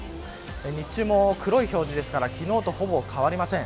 日中も黒い表示ですから昨日とほぼ変わりません。